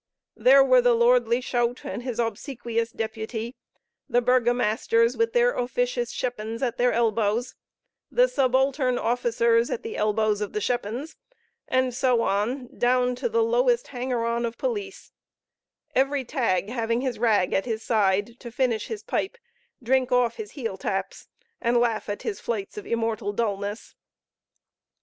There were the lordly Schout and his obsequious deputy, the burgomasters with their officious schepens at their elbows, the subaltern officers at the elbows of the schepens, and so on, down to the lowest hanger on of police; every tag having his rag at his side, to finish his pipe, drink off his heel taps, and laugh at his flights of immortal dulness.